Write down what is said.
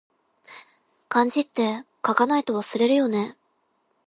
漢字って、書かないと忘れるよね